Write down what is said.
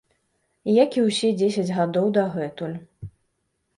Як і ўсе дзесяць гадоў дагэтуль.